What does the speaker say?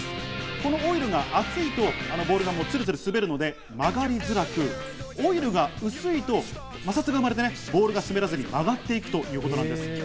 このオイルが厚いとボールがツルツル滑るので、曲がりづらく、オイルが薄いと摩擦が生まれてボールが滑らずに曲がっていくということなんです。